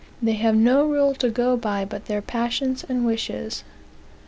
They have no rule to go by but their passions and wishes."